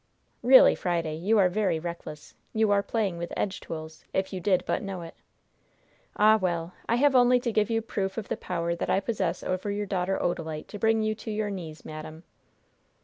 "Really, Friday, you are very reckless. You are playing with edge tools, if you did but know it. Ah, well! I have only to give you proof of the power that I possess over your daughter Odalite to bring you to your knees, madam."